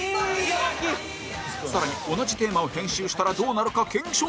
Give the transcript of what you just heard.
更に同じテーマを編集したらどうなるか検証！